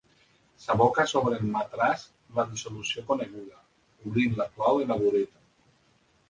S'aboca sobre el matràs la dissolució coneguda, obrint la clau de la bureta.